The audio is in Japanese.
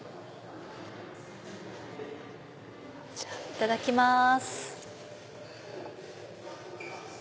いただきます。